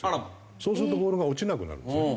そうするとボールが落ちなくなるんですね。